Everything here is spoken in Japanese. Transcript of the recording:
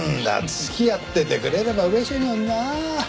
付き合っててくれれば嬉しいのになあ。